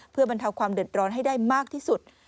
เพื่อบรรเทาความเดือดร้อนให้ได้มากที่สุด